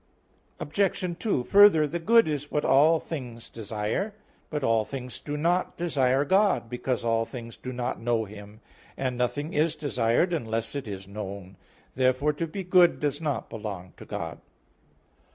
Obj. 2: Further, the good is what all things desire. But all things do not desire God, because all things do not know Him; and nothing is desired unless it is known. Therefore to be good does not belong to God.